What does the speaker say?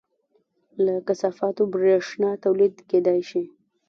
له کثافاتو بریښنا تولید کیدی شي